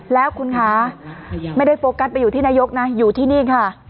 แล้วคุณคะไม่ได้โฟกัสไปอยู่ที่นายกนะอยู่ที่นี่ค่ะ